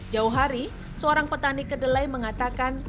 jauh hari seorang petani kedelai mengatakan